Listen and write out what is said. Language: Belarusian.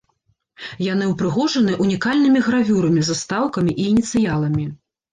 Яны ўпрыгожаны унікальнымі гравюрамі, застаўкамі і ініцыяламі.